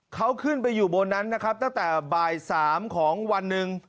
เขาขึ้นไปอยู่บนนั้นนะครับตั้งแต่บ่าย๓ของวันหนึ่ง